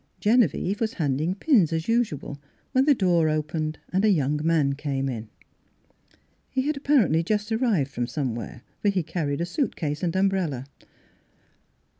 Genevieve was handing pins, as usual, when the door opened and a young m.an came in. He had apparently just arrived from some where, for he carried a suit case and um brella.